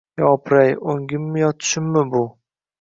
Yopiray! O’ngimmi, yo tushimmi bu?